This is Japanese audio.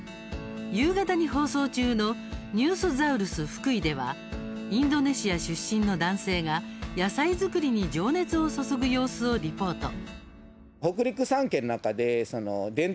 夕方に放送中の「ニュースザウルスふくい」ではインドネシア出身の男性が野菜作りに情熱を注ぐ様子をリポート。